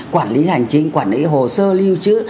quản lý hành chính quản lý hồ sơ lưu trữ